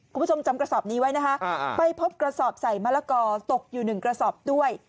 คุณผู้ชมจำกระสอบนี้ไว้นะคะไปพบกระสอบใส่มะละกอตกอยู่หนึ่งกระสอบด้วย